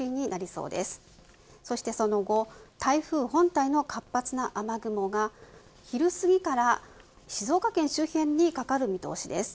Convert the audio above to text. そして、その後台風本体の活発な雨雲が昼すぎから静岡県周辺にかかる見通しです。